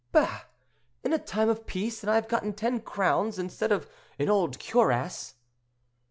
"Bah! in time of peace; and I have got ten crowns instead of an old cuirass."